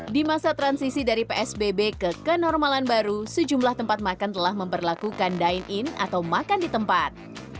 di masa transisi dari psbb ke kenormalan baru sejumlah tempat makan telah memperlakukan dine in atau makan di tempat